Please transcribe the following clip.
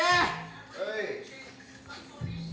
はい！